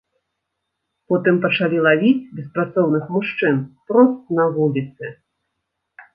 Потым пачалі лавіць беспрацоўных мужчын прост на вуліцы.